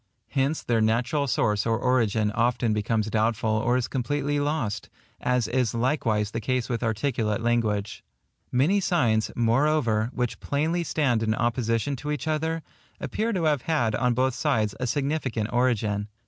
Hence their natural source or origin often becomes doubtful or is completely lost; as is likewise the case with articulate language. Many signs, moreover, which plainly stand in opposition to each other, appear to have had on both sides a significant origin.